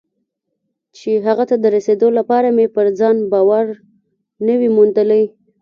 چې هغه ته د رسېدو لپاره مې پر ځان باور نه وي موندلی.